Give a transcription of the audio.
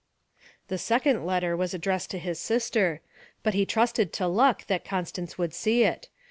The second letter was addressed to his sister, but he trusted to luck that Constance would see it.